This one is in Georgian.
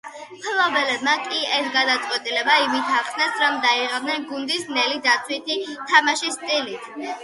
მფლობელებმა კი ეს გადაწყვეტილება იმით ახსნეს, რომ დაიღალნენ გუნდის ნელი დაცვითი თამაშის სტილით.